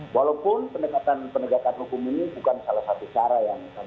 walaupun pendekatan hukum ini bukan salah satu cara yang kami lakukan